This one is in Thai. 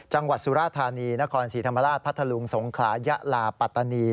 สุราธานีนครศรีธรรมราชพัทธลุงสงขลายะลาปัตตานี